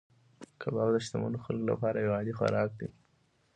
کباب د شتمنو خلکو لپاره یو عادي خوراک دی.